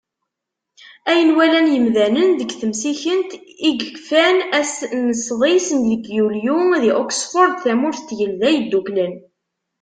Ayen walan yimdanen deg temsikent i yekfan ass n sḍis deg yulyu-a, di Oxford, tamurt n Tgelda Yedduklen.